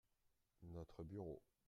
Notre bureau.